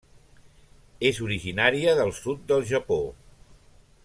És originària del sud del Japó.